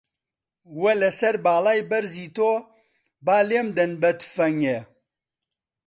وە لە سەر باڵای بەرزی تۆ، با لێم دەن بە تفەنگێ